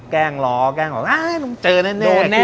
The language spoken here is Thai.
แกล้งล้อแกล้งว่าเจอแน่